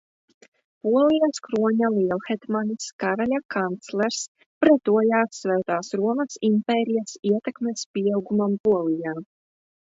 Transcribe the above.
Polijas kroņa lielhetmanis, karaļa kanclers, pretojās Svētās Romas impērijas ietekmes pieaugumam Polijā.